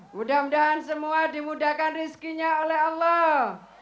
mudah mudahan semua dimudahkan rizkinya oleh allah